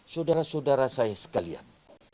saudara saudara saya sekalian